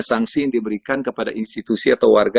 sanksi yang diberikan kepada institusi atau warga